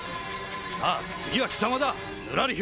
「さあ次は貴様だぬらりひょん！」